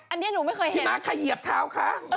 อันนี้หนูไม่เคยเห็นก่อนพี่มาคใครเหยียบเท้าดูคะ